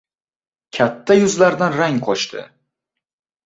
Katta yuzlaridan rang qochdi.